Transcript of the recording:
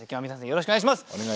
よろしくお願いします。